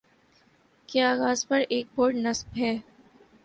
کے آغاز پر ایک بورڈ نصب ہے